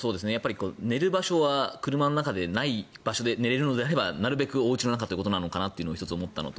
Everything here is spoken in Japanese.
寝る場所は車の中でない場所で寝れるのであれば、なるべくおうちの中なのかなというのを１つ思ったのと